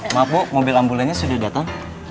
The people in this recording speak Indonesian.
maaf bu mobil ambulannya sudah datang